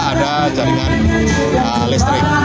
ada jaringan listrik